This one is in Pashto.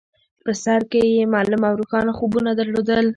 په سر کې يې معلوم او روښانه خوبونه درلودل.